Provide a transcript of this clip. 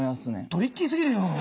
トリッキー過ぎるよ。